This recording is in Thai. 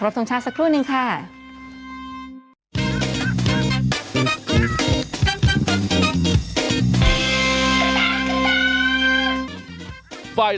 เอาไปไม่ผ่านกันเนี่ยอะไรบ้าง